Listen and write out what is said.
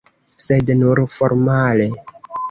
Sed nur formale.